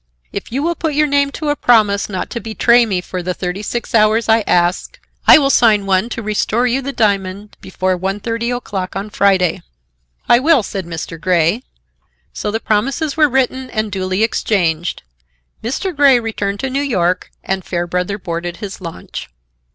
If you will put your name to a promise not to betray me for the thirty six hours I ask, I will sign one to restore you the diamond before one thirty o'clock on Friday." "I will," said Mr. Grey. So the promises were written and duly exchanged. Mr. Grey returned to New York and Fairbrother boarded his launch.